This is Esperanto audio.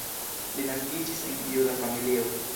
Li naskiĝis en juda familio.